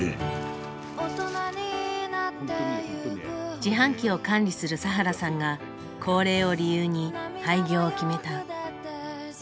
自販機を管理する佐原さんが高齢を理由に廃業を決めた。